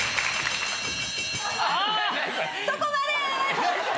そこまで！